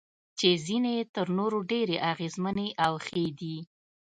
چې ځینې یې تر نورو ډېرې اغیزمنې او ښې دي.